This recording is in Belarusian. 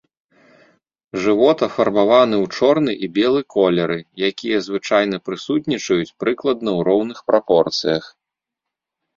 Жывот афарбаваны ў чорны і белы колеры, якія звычайна прысутнічаюць прыкладна ў роўных прапорцыях.